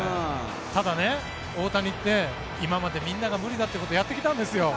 ただ大谷って今まで無理だということをやってきたんですよ。